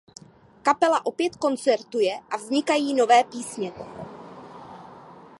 Kapela opět koncertuje a vznikají nové písně.